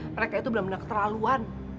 mereka itu benar benar keterlaluan